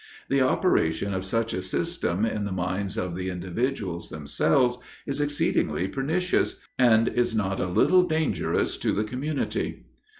The operation of such a system on the minds of the individuals themselves is exceedingly pernicious, and is not a little dangerous to the community.